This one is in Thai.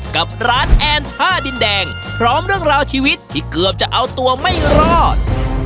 กับร้านแอนท่าดินแดงพร้อมเรื่องราวชีวิตที่เกือบจะเอาตัวไม่รอด